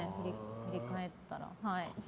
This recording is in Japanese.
振り返ったら。